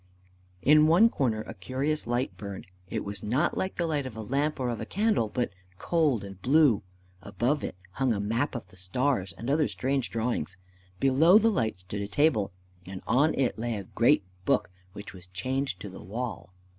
In one corner a curious light burned. It was not like the light of a lamp or of a candle, but cold and blue. Above it hung a map of the stars, and other strange drawings. Below the light stood a table, and on it lay a great book which was chained to the wall.